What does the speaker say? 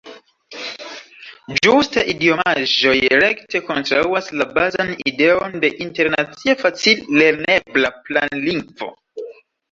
Ĝuste idiomaĵoj rekte kontraŭas la bazan ideon de internacie facil-lernebla planlingvo.